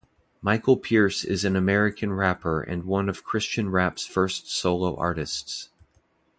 Michael Peace is an American rapper and one of Christian rap's first solo artists.